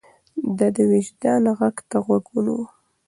ده د وجدان غږ ته غوږ نيوه.